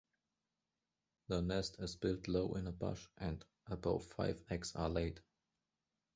The nest is built low in a bush and about five eggs are laid.